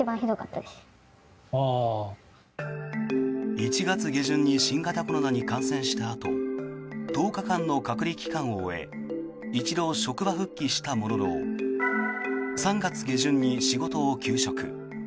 １月下旬に新型コロナに感染したあと１０日間の隔離期間を終え一度、職場復帰したものの３月下旬に仕事を休職。